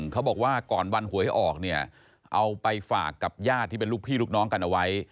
เขาบอกว่าก่อนวันหวยออกเนี่ยเอาไปฝากกับญาติที่เป็นลูกพี่ลูกน้องกันเอาไว้